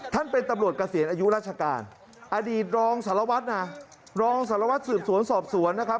เป็นตำรวจเกษียณอายุราชการอดีตรองสารวัตรนะรองสารวัตรสืบสวนสอบสวนนะครับ